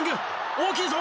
大きいぞ！